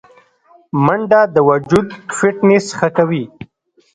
منډه د وجود فټنس ښه کوي